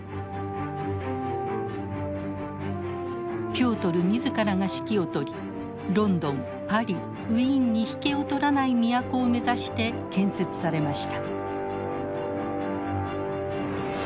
ピョートル自らが指揮を執りロンドンパリウィーンに引けを取らない都を目指して建設されました。